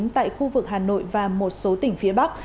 tại khu vực hà nội và một số tỉnh phía bắc